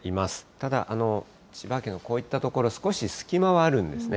ただ、千葉県のこういった所、少し隙間はあるんですね。